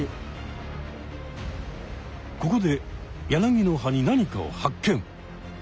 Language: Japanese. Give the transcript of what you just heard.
ここでヤナギの葉に何かを発見！